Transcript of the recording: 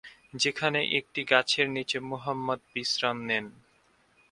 সেখানে একটি গাছের নিচে মুহাম্মাদ বিশ্রাম নেন।